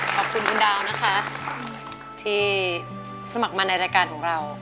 ขอบคุณคุณดาวนะคะที่สมัครมาในรายการของเรา